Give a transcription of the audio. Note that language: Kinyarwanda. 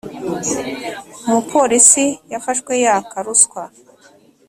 umupolisi yafashwe yaka ruswa